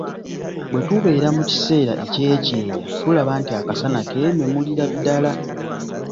Bwe tubeera mu kiseera eky'ekyeya tulaba nti akasana keememulira ddala.